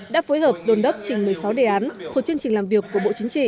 đã phối hợp đồn đốc trình một mươi sáu đề án thuộc chương trình làm việc của bộ chính trị